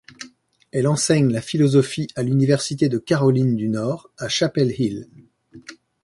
Elle enseigne la philosophie à l'Université de Caroline du Nord à Chapel Hill.